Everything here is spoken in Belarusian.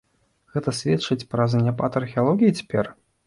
Гэта сведчыць пра заняпад археалогіі цяпер?